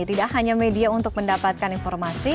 tidak hanya media untuk mendapatkan informasi